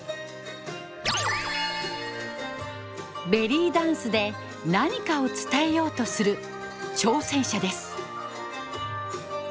ベリーダンスで何かを伝えようとする挑戦者です。